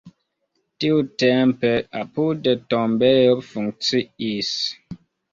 Tiutempe apude tombejo funkciis.